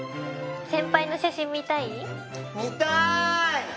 先輩の写真見たい？